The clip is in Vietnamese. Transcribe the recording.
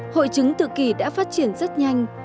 hội chứng tự kỷ đã phát triển rất nhanh